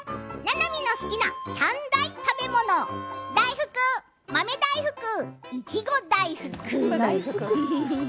ななみの好きな三大食べ物大福、豆大福、いちご大福。